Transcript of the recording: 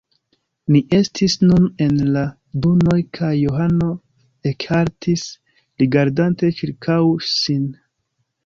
Ni estis nun en la dunoj kaj Johano ekhaltis, rigardante ĉirkaŭ sin.